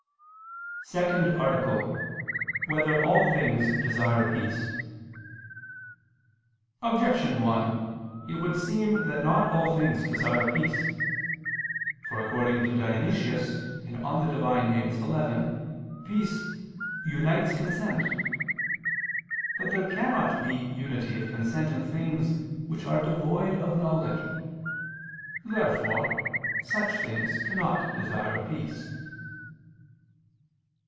_______________________ SECOND ARTICLE [II II, Q. 29, Art. 2] Whether All Things Desire Peace? Objection 1: It would seem that not all things desire peace. For, according to Dionysius (Div. Nom. xi), peace "unites consent." But there cannot be unity of consent in things which are devoid of knowledge. Therefore such things cannot desire peace.